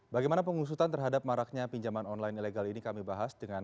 bagaimana pengusutan terhadap maraknya pinjaman online ilegal ini kami bahas dengan